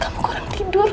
kamu kurang tidur